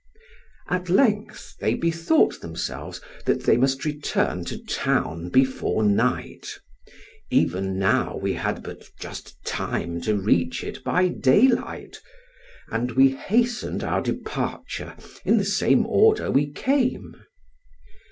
At length, they bethought themselves, that they must return to town before night; even now we had but just time to reach it by daylight; and we hastened our departure in the same order we came.